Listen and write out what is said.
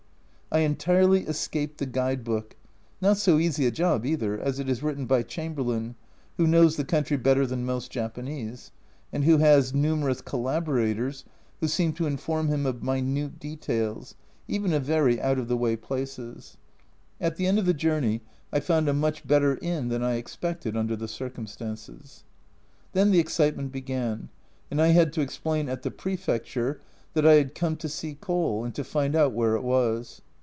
I entirely escaped the Guide book not so easy a job either, as it is written by Chamberlain, who knows the country better than most Japanese, and who has numerous collaborators who seem to inform him of minute details, even of very out of the way places. A Journal from Japan 41 At the end of the journey I found a much better inn than I expected under the circumstances. Then the excitement began and I had to explain at the Prefecture that I had come to see coal, and to find out where it was.